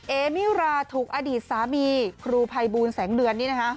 เอมีราถูกอดีตสามีครูภัยบูรณ์แสงเดือนนี่นะครับ